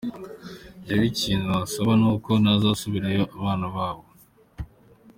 Njyewe ikintu nasaba n’uko nazasubizayo abana babo.”